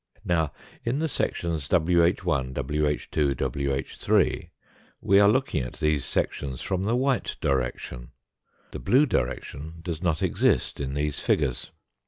Now, in the sections ivh lt wh 2 , wh 3 , we are looking at these sections from the white direction the blue direction does not exist in these figures.